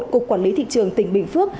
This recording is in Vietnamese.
cục quản lý thị trường tỉnh bình phước